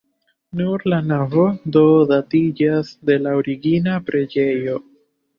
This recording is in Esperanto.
Nur la navo do datiĝas de la origina preĝejo.